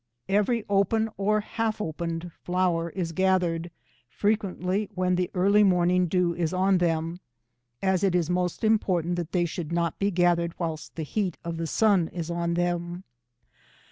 Every open or half opened flower is gathered, frequently, when the early morning dew is on them, as it is most important that they should not be gathered whilst the heat of the sun is on them.